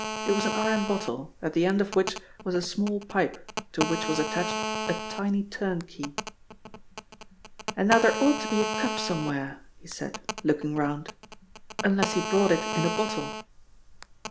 It was an iron bottle, at the end of which was a small pipe to which was attached a tiny turn key. "And now there ought to be a cup somewhere," he said, looking round, "unless he brought it in a bottle."